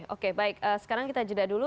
oke baik sekarang kita jeda dulu